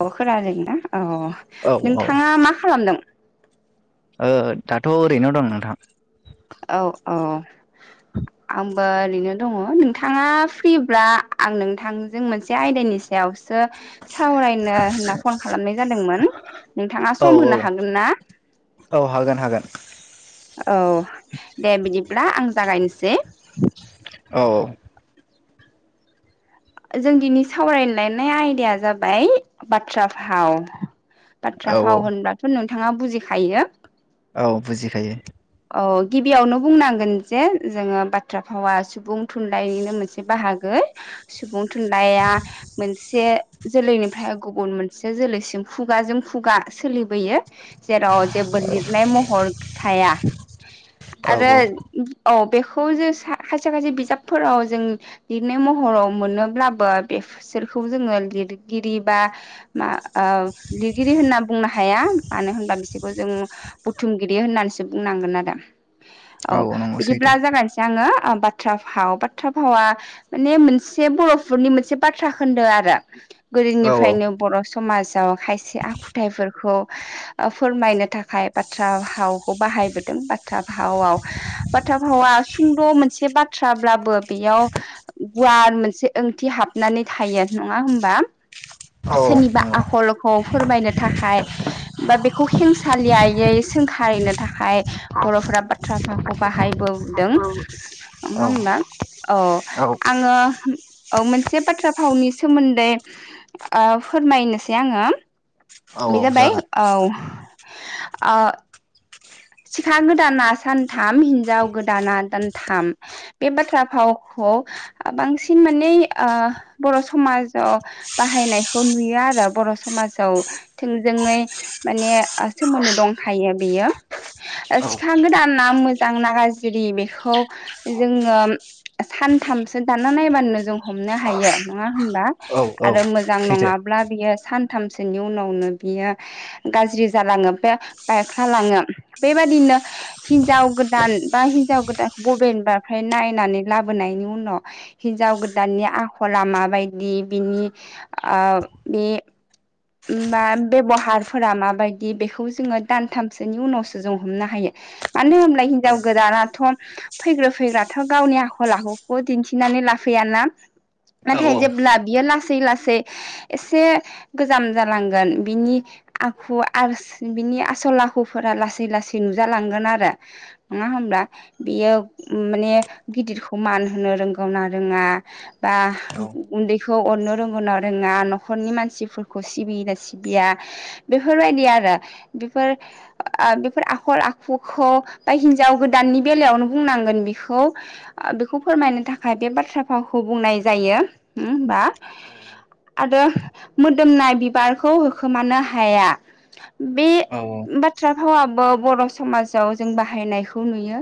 अ खोनादों ना औ औ औ नोंथाङा मा खालामदों दाथ' ओरैनोआव दं नोंथां औ औ आंबो ओरैनो दङ नोंथाङा फ्रिब्ला आं नोंथांजों मोनसे आयदानि सायावसो सावरायनो होनना फन खालामनाय जादोंमोन नोंथाङा औ सम औ होनो हागोन ना औ हागोन हागोन औ दे बिदिब्ला आं जागायनोसै औ औ जों दिनै सावरायलायनाय आयदाया जाबाय बाथ्रा भाव बाथ्रा औ फाव होनबाथ' नोंथाङा बुजिखायो औ बुजिखायो औ गिबियावनो बुंनांगोन जे जोङो बाथ्रा भावा सुबुं थुनलाइनिनो मोनसे बाहागो सुबुं थुनलाइया मोनसे से जोलैनिफ्राय गुबुन मोनसे जोलैसिम खुगाजों खुगा सोलिबोयो जेराव जेबो लिरनाय महर थाया औ आरो औ बेखौ जों खायसे खायसे बिजाबफोराव जों लिरनाय महराव मोनोब्लाबो बेसोरखौ जोङो लिरगिरि बा मा आ लिरगिरि होनना बुंनो हा हाया मानो होनबा बिसोरखौ जों बुथुमगिरि होननानैसो बुंनांगोन आरो औ नंगौ सैथो बिदिब्ला जागायसै आङो बाथ्रा भाव बाथ्रा भावा माने मोनसे से बर'फोरनि मोनसे बाथ्रा खोन्दों आरो औ गोदोनिफ्रायनो बर' समाज खायसे आखुथायाइफोरखौ फोरमायनो थाखाय बाथ्रा भावखौ बाहायबोदों बाथ्रा भावआव बाथ्रा भावा सुंद' मोनसे बाथ्राब्लाबो बेयाव गुवार मोनसे ए ओंथि हाबनानै थायो नङा होमबा औ सोरनिबा नंगौ आखलखौ फोरमायनो थाखाय बा बेखौ हिेंसालियायै सोंखारिनो थाखाय बर'फोरा बाथ्रााखौ बाहायबोदों औ नङा होमा औ आङो औ मोनसे बाथ्रा फावनि सोमोन्दै आ फोरमायनोसै आङो औ बे जाबाय जागोन औ सिखा गोदाना सानथाम हिनजाव गोदाना दानथाम बे बाथ्रा फावखौ बांसिन आ माने बर' समाजाव बाहायनायखौ नुयो आरो बर' समाजाव थोंजोङै माने सोमोन्दो दंखायो बियो औ सिखा गोदाना मोजां ना गाज्रि बेखौ जोङो सानथामसो दाना नायबानोनो जों हमनो हायो नङा होनबा औ औ आरो मोजां सैथो नङाब्ला बियो सानथामसोनि उनावनो बियो गाज्रि जालाङो बे बायख्लालाङो बेबादिनो हिनजाव गोदान बा हिनजाव गोदानखौ बबेबाफ्राय नायनानै लाबोनायनि उनाव हिन्जाव गोदाननि आखला माबायदि बिनि बे बा बेब'हारफोरा माबायदि बेखौ जोङो दानथामसोनि उनावसो जों हमनो हायो मानो होनलाय औ औ हिनजाव गोदानाथ' फैग्रो फैग्राथ' गावनि आखल आखुखौ दिन्थिनानै लाफैयाना औ सैथो औ नाथाय जेब्ला बियो लासै लासै एसे गोजाम जालांगोन बिनि आखु आरो बिनि आसल आखुफोरा लासै लासै नुजालांगोन आरो नङा होमब्ला बियो माने गिदिरखौ मान होनो रोंगौना रोङा बा उन्दैखौ अननो रोंगौ ना रोङा न'खरनि मानसिफोर खौ सिबियोना सिबिया बेफोरबायदि आरो बेफोर ओ बेफोर आखल आखुखौ बा हिनजाव गोदाननि बेलायावनो बुंनांगोन बेखौ बेखौ फोरमायनो थाखाय बे बाथ्रा फावखौ बुंनाय जायो बा आरो दोमनाय बिबारखौ होखोमानो हाया बे बा थ्रा भावाबो बर' समाजाव जों बाहायनायखौ नुयो।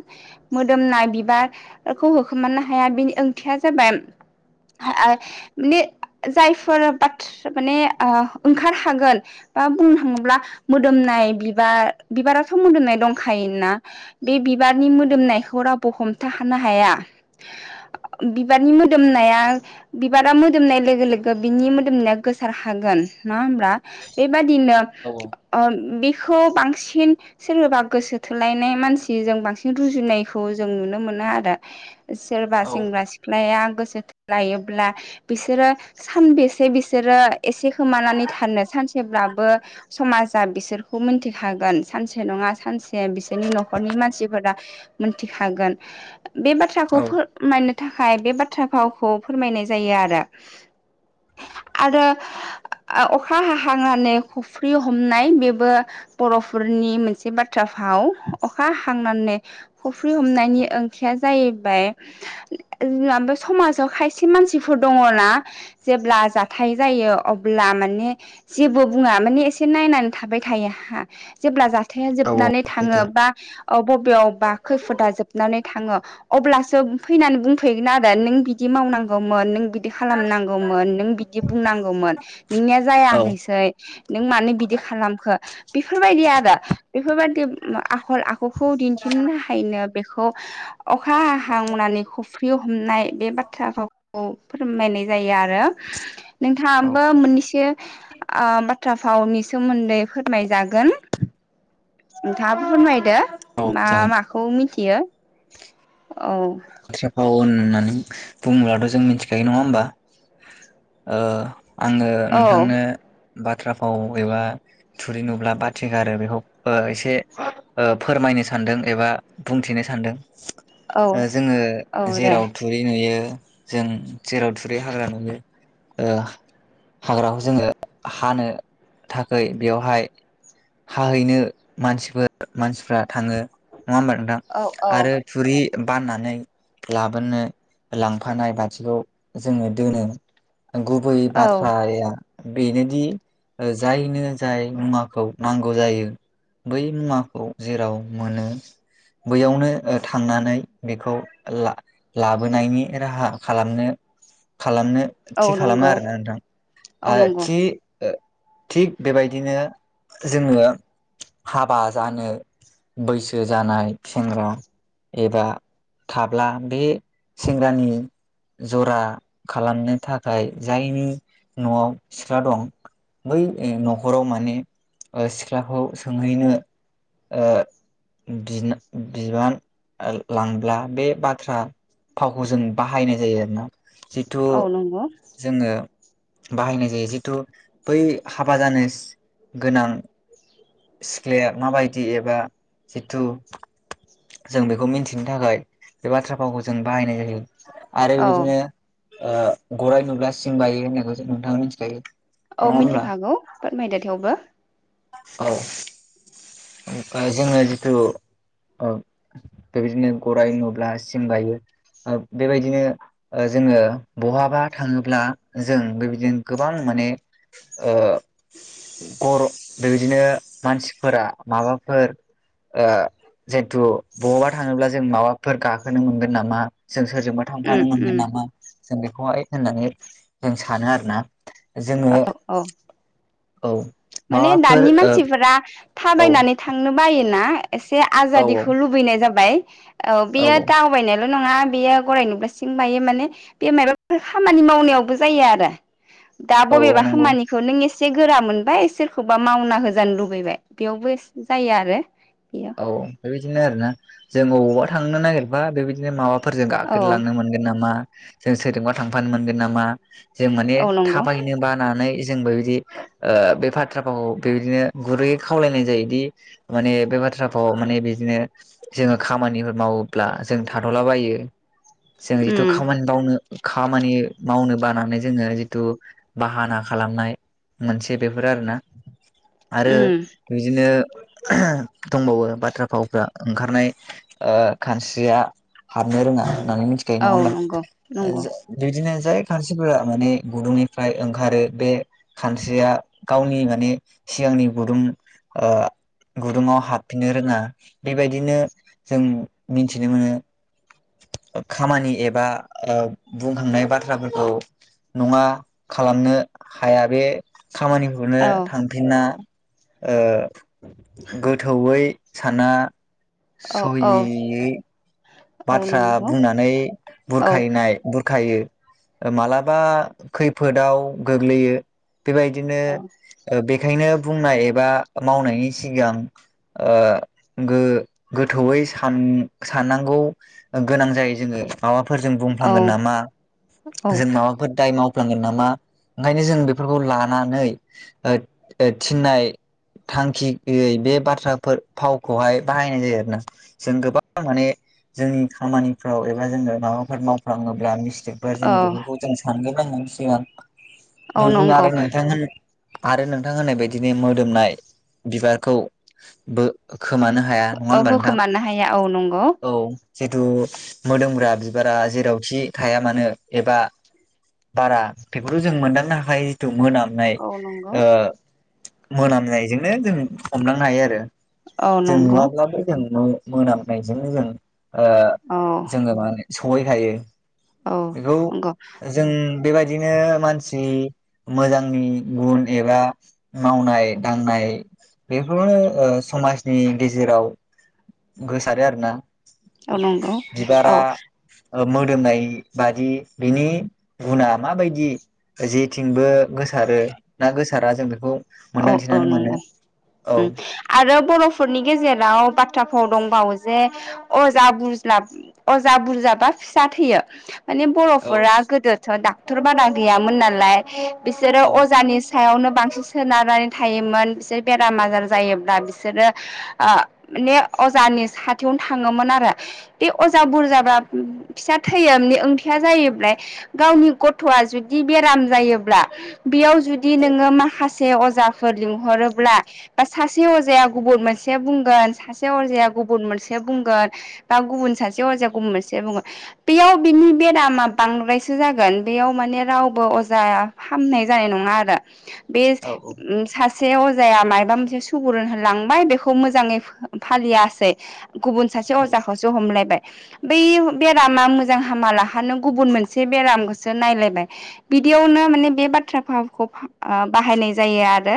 मोदोमनाय बिबारखौ होखोमानो हाया बेनि ओंथिया जाबाय [unintelligible] माने जायफोर बाथ्रा माने ओ ओंखार हागोन बा बुंनो थाङोब्ला मोदोमनाय बिबार बिबाराथ' मोदोमनाय दंखायो ना बे बिबारनि मोदोमनायखौ रावबो हमथा हानो हाया बिबारनि मोदोमनाया बिबारा मोदोमनाय लोगो लोगो बिनि मोदोमनाया गोसार हागोन नङा होमब्ला बेबादिनो ओ बेखौ बांसिन सोरनिबा गोसो थोलायनाय मानसि जों बांसिन रुजुनायखौ जों नुनो मोनो आरो। सोरबा सेंग्रा सिख्लाया गोसो थोलायोब्ला बिसोरो सानबेसे बेसे बिसोरो एसे खोमानानै थानो सानसेब्लाबो समाजा बिसोरखौ मिथिखागोन सानसे नङा सानसे बिसोरनि न'खरनि मानसिफोरा मोनथिखागोन बे बाथ्राखौ फोर मायनो थाखाय बे बाथ्रा फावखौ फोरमायनाय जायो आरो। आरो अखा हाहांनानै खुफ्रि हमनाय बेबो बर'फोरनि मोनसे बाथ्रा भाव अखा हांनानै खफ्रि हमनायनि ओंथिया जाहैबाय जोंहा बे समाजाव खायसे मानसिफोर दङना जेब्ला जा थाय जायो अब्ला माने जेबो बुङा माने एसे नायनानै थाबाय थायो हा जेब्ला जाथाया जोबनानै थाङो बा बबेयावबा खैफोदा जोबनानै थाङो अब्लासो फैनानै बुंफैगोन आरो नों बिदि मावनांगौमोन नों बि दि खालामनांगौमोन नों बिदि बुंनांगौमोन नोंनिया जायाखैसै नों मानो बिदि खालामखो बेफोरबायदि आरो बेफोरबायदि आखल आखु खौ दिन्थिनो थाखायनो बेखौ अखा हा हांनानै खफ्रि हमनाय बे बाथ्राखौ खौ फोरमायनाय जायो आरो। नोंथाङाबो मोननैसो आ बाथ्रा भावनि सोमोन्दै फोरमायजागोन। नोंथाङाबो फोरमायदो मा जागोन माखौ मिथियो औ। बाथ्रा फाव होननानै बुङोब्लाथ' जों मिथिखायो नङा होमबा? ओ आङो औ नोंथांनो बाथ्रा फाव एबा थुरि नुब्ला बाथि गारो बेखौ ओ एसे ओ फोरमायनो सानदों एबा बुंथिनो सानदों औ ओ जोङो औ दे जेराव थुरि नुयो जों जेराव थुरि हाग्रा नुयो ओ हाग्राखौ जोङो हानो थाखै बेयावहाय हाहैनो मानसिफोर मानसिफ्रा थाङो नङा होमबा नोंथां? औ औ आरो थुरि बाना नै लाबोनो लांफानाय बाथिखौ जोङो दोनो। गु बै औ बाथ्राया बेनोदि जायनो जाय मुवाखौ नांगौ जायो बै मुवाखौ जेराव मोनो बैयावनो थांनानै बेखौ लाबोनायनि राहा खालामनो खालामनो औ थि खालामो नंगौ आरोना नोंथां औ आरो नंगौ थि थिग बेबायदिनो जोङो हाबा जानो बैसो जानाय सेंग्रा एबा थाब्ला बे सेंग्रानि जरा खालामनो थाखाय जायनि न'आव सिख्ला दं बै न'खराव माने सिख्लाखौ ओ सोंहैनो ओ बिना-बिबान लां ब्ला बे बाथ्रा भावखौ जों बाहायनाय जायो आरो ना। जितु औ नंगौ जोङो बाहायनाय जायो जिथु बै हाबा जानो गोनां सिख्लाया माबायदि एबा जिथु जों बेखौ मिथिनो थाखाय बे बाथ्रा फावखौ जों बाहायनाय जायो आरो औ बिदिनो ओ गराय नुब्ला सिं बायो होननायखौ नोंथाङा मिथिखायो औ नङा होमब्ला मिन्थिखागौ फोरमायदो थेवबो। औ ओ जोंनो जिथु बेबायदिनो गराइ नुब्ला सिं बायो बेबायदिनो जोङो बहाबा थाङोब्ला जों बेबायदिनो गोबां माने ओ गर' बेबायदिनो मानसिफोरा माबाफोर ओ जिहेथु बबावबा थाङोब्ला जों माबाफोर गाखोनो मोनगोन नामा जों सोरजोंबा उम थांफानो मोनगोन उम नामा जों बेखौहाय होननानै जों सानो आरोना। जोङो औ औ माने माबाफोर दानि ओ मानसिफोरा औ थाबायनानै थांनो बायोना एसे औ आजादिखौ लुबैनाय जाबाय औ बेयो था बायनायल' नङा बेयो गराइ नुब्ला सिं बायो माने बे मायबाफोर खामानि मावनायावबो जायो आरो। दा औ बबेबा नंगौ खामानिखौ नों एसे गोरा मोनबाय सोरखौबा मावना होजानो लुबैबाय बेयावबो जायो आरो बेयो औ बेबिदिनो आरो ना जों अबावबा थांनो नागिरबा बेबायदिनो माबा फोरजों गाखो औ लांनो मोनगोन नामा जों सोरा थांफानो मोनगोन नामा जों माने औ नंगौ थाबायनो बानानै जोंबो बिदि बे बाथ्रा फावखौ बेबायदिनो गुरैयै खावलायनाय जायोदि माने बे बा थ्रा फाव आव माने बिदिनो जोङो खामानिफोर मावोब्ला जों थाथ'लाबायो जों जिथु उम खामानि मावनो खामानि मावनो बानानै जोङो जिथु बाहाना खालामनाय मोनसे बेफोर आरोना आरो उम बिदिनो दंबावो बाथ्रा फावफ्रा ओंखारनाय खानस्रिया हाबनो रोङा होननानै मिथिखायो औ नङा होमबा नंगौ नंगौ ओ बिदिनो जाय खानस्रिफोरा माने गुदुंनिफ्राय ओंखारो बे खानस्रिया गावनि माने सिगांनि गुदुं गुदुङाव हाबफिननो रोङा बेबायदिनो जों मिथिनो मोनो खामानि एबा बुंखांनाय बाथ्राफोरखौ नङा खालामनो हाया बे खामानिखौनो औ थां फिनना ओ गोथौयै साना औ औ सहि औ बाथ्रा नंगौ बुंनानै औ बुरखायनाय बुरखायो मालाबा खैफोदाव गोग्लैयो बेबायदिनो औ बेखायनो बुंनाय एबा मावनायनि सिगां ओ गो गोथौयै सान साननांगौ गोनां जायो जोङो माबाफोर जों औ बुंफ्लांगोन नामा औ जों माबाफोर दाय माव फ्लांगोन नामा ओंखायनो जों बेफोरखौ लानानै थिननाय थांखि गैयै बे बाथ्राफोर फावखौहाय बाहायनाय जायो आरोना। जों गोबां माने जोंनि खामानिफ्राव एबा जोङो माबाफोर मावफ्लाङोब्ला मिस्टेकफोर जों औ बेफोरखौ जों सानगोरनांगोन सिगां औ बिदिनो नंगौ आरो नोंथां होन आरो नोंथां होननाय बदिनो मोदोमनाय बिबारखौ बो खोमानो हाया नङा औ होमबा नोंथां होखोमानो हाया औ नंगौ औ। जेथु मोदोमग्रा बिबारा जेरावखि थाया मानो एबा बारा बेफोरखौ जों मोनदांनो हाखायो जेथु मोनाम नाय औ नंगौ ओ मोनामनायजोंनो जों हमदांनो हायो आरो। औ जों नंगौ नुवाब्लाबो जों मो मोनामनायजोंनो जों ओ औ जोङो मा होनो सहैखायो औ बेखौ नंगौ जों बेबायदिनो मानसि मोजांनि गुन एबा मावनाय दांनाय बेफोरनो ओ समाजनि गेजेराव गोसारो आरोना औ नंगौ औ बिबारा ओ मोदोमनाय बादि बिनि गुना माबायदि जेथिंबो गोसारो ना गोसारा जों बेखौ औ औ मोनदांथिनानै नंगौ मोनो औ उम आरो बर'फोरनि गेजेराव बाथ्रा फाव दंबावो जे अजा बुज्लाब अजा बुरजाबा फिसा थैयो माने औ बर'फोरा गोदोथ' डाक्टर बारा गैयामोन नालाय बिसोरो औ अजानि सायावनो बांसिन सोनारनानै थायोमोन बिसोर बेराम आजार जायोब्ला बिसोरो आ माने अजानि साथियावनो थाङोमोन आरो बे अजा बुरजाबा फिसा थैयोे बे ओंथिया जायैब्लाय गावनि गथ'आ जुदि बेराम जायोब्ला बेयाव जुदि नोङो माखासे से अजाफोर लिंहरोब्ला बा सासे अजाया गुबुन मोनसे बुंगोन सासे अजाया गुबुन मोनसे बुंगोन बा गुबुन सासे अजाया गुबुन मोनसे बुङो। बेयाव बिनि बेरामा बांद्रायसो जागोन बेयाव माने रावबो अजाया हामनाय जानाय नङा आरो बे औ औ उम सासे से अजाया मायबा मोनसे सुबुरुन होलांबाय बेखौ मोजाङै फो फालियासै गुबुन सासे अजाखौसो हमलायबाय बै बेरामा मोजां हामा लाहानो गुबुन मोनसे बेरामखौसो नायलायबाय बिदियावनो माने बे बाथ्रा फावखौ फा ओ बाहायनाय जायो आरो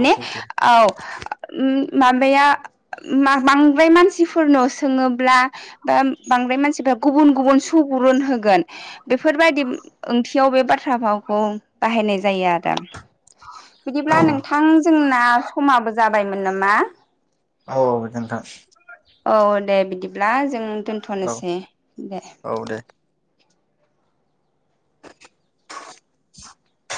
औ सैथो औ उम माबाया मा बांद्राय मानसिफोरनाव सोङोब्ला बा बांद्राय मानसिफ्रा गुबुन गुबुन सुबुरुन होगोन बेफोरबायदि ओंथियाव बे बाथ्रा भावखौ बाहायनाय जायो आरो बिदिब्ला नोंथां जोंना समाबो जाबायमोन नामा? औ दे नोंथां। औ दे बिदिब्ला जों औ दोनथ'नोसै दे औ दे। [inaudible]